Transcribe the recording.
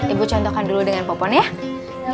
ibu contohkan dulu dengan popon ya